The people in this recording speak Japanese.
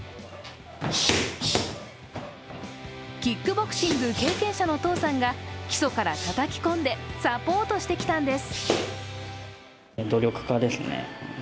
キックボクシング経験者のお父さんが基礎からたたき込んで、サポートしてきたんです。